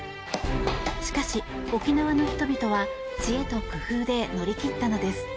しかし、沖縄の人々は知恵と工夫で乗り切ったのです。